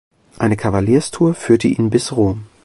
Eine Kavalierstour führte ihn bis Rom.